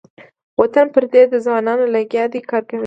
وطن پردی ده ځوانان لګیا دې کار کوینه.